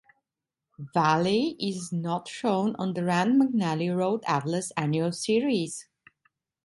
Valle is not shown on the Rand McNally Road Atlas annual series.